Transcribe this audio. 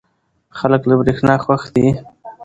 خلک له برېښنا خوښ دي.